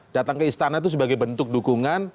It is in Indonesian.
datang ke istana itu sebagai bentuk dukungan